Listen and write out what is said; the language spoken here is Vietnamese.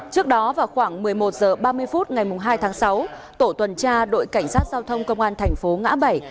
trước đó vào khoảng một mươi một h ba mươi phút ngày hai tháng sáu tổ tuần tra đội cảnh sát giao thông công an thành phố ngã bảy